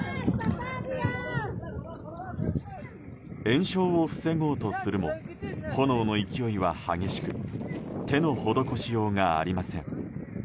延焼を防ごうとするも炎の勢いは激しく手の施しようがありません。